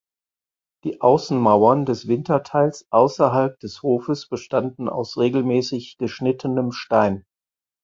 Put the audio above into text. Die Außenmauern des Winterteils außerhalb des Hofes bestanden aus regelmäßig geschnittenem Stein.